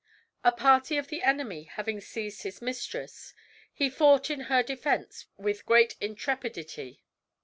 A party of the enemy having seized his mistress, he fought in her defense with great intrepidity.